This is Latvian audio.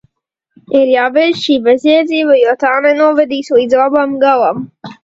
Ir jābeidz šī bezjēdzība, jo tā nenovedīs līdz labam galam!